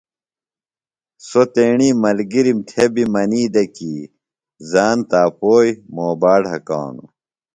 سوۡ تیݨی ملگِرِم تھےۡ بیۡ منی دےۡ کی زان تاپوئیۡ موبا ڈھکانُوۡ۔